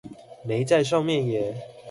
沒在上面耶